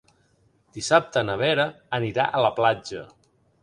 Dissabte na Vera anirà a la platja.